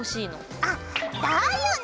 あだよね！